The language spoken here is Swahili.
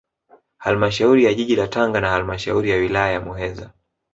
Halmashauri ya jiji la Tanga na halmashauri ya wilaya ya Muheza